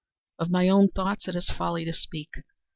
Of my own thoughts it is folly to speak.